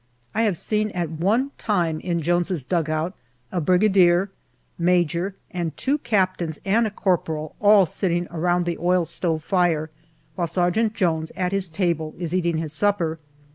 I have seen at one time in Jones's dugout a Brigadier, Major, and two Captains and a corporal all sitting round the oil stove fire while Sergeant Jones, at his table, is eating his supper.